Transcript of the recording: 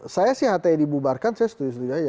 saya sih hti dibubarkan saya setuju setuju aja